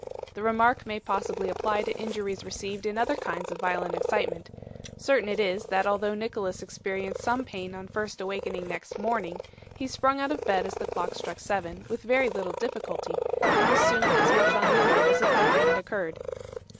The remark may possibly apply to injuries received in other kinds of violent excitement: certain it is, that although Nicholas experienced some pain on first awakening next morning, he sprung out of bed as the clock struck seven, with very little difficulty, and was soon as much on the alert as if nothing had occurred.